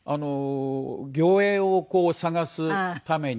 魚影を探すために。